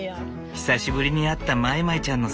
久しぶりに会ったまいまいちゃんの姿。